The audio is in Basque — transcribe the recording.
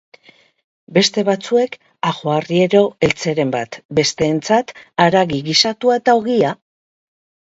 Beste batzuek ajoarriero eltzeren bat, besteentzat haragi gisatua eta ogia.